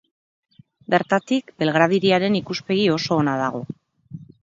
Bertatik Belgrad hiriaren ikuspegi oso ona dago.